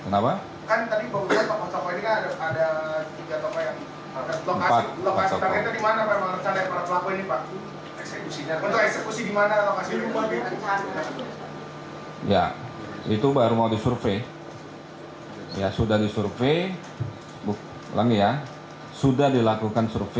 nya itu whoever yang sudah disurvei nuestro be